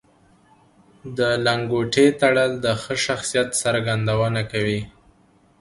د لنګوټې تړل د ښه شخصیت څرګندونه کوي